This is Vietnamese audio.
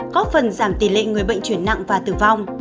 có phần giảm tỷ lệ người bệnh chuyển nặng và tử vong